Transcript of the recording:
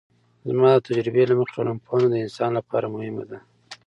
زما د تجربې له مخې ټولنپوهنه د انسان لپاره مهمه ده.